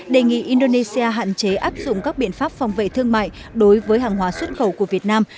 đề nghị indonesia hạn chế áp dụng các biện pháp phòng vệ thương mại đối với hàng hóa xuất khẩu của việt nam